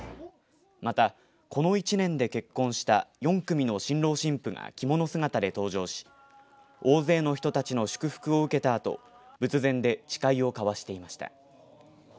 またこの１年で結婚した４組の新郎新婦が着物姿で登場し大勢の人たちの祝福を受けたあと仏前で誓いをかわしていました。